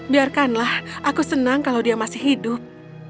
biarkanlah aku senang kalau dia masih hidup